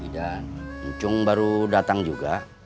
idan uncung baru datang juga